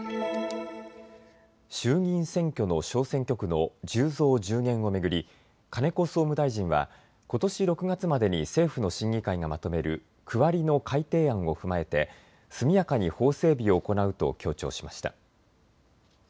衆議院選挙の小選挙区の１０増１０減を巡り、金子総務大臣はことし６月までに政府の審議会がまとめる区割りの改定案を踏まえて速やかに法整備を行うと強調しました。